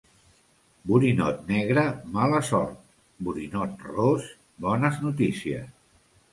Borinot negre, mala sort; borinot ros, bones notícies.